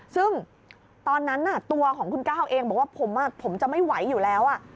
ซึ่งตอนนั้นตัวของคุณก้าวเองบอกว่าผมจะไม่ไหวอยู่แล้ว